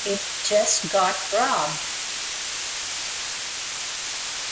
It just got robbed.